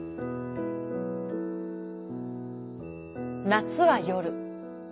「夏は夜。